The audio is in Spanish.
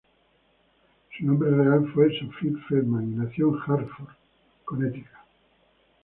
Su nombre real fue Sophie Feldman, y nació en Hartford, Connecticut.